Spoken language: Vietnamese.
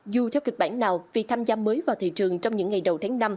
dù theo kịch bản nào việc tham gia mới vào thị trường trong những ngày đầu tháng năm